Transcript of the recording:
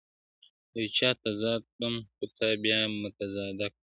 يو چا تضاده کړم، خو تا بيا متضاده کړمه.